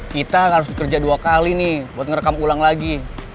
kita harus bekerja dua kali nih buat ngerekam ulang lagi